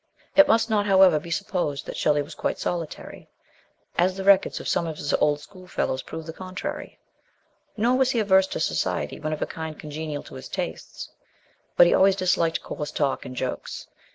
It must not, however, be supposed that Shelley was quite solitary, as the records of some of his old schoolfellows prove the contrary ; nor was he averse to society when of a kind congenial to his tastes ; but SHELLEY. 39 Le always disliked coarse talk and jokes.